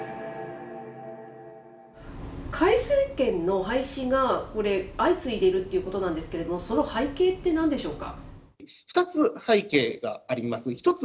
回数券の廃止が相次いでいるっていうことなんですけれども、その背景ってなんでしょうか？